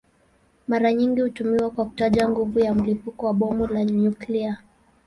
Mara nyingi hutumiwa kwa kutaja nguvu ya mlipuko wa bomu la nyuklia.